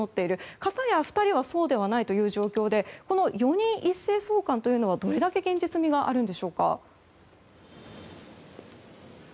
片や、２人はそうではないという状況で４人一斉送還はどれだけ現実味があるんでしょうか。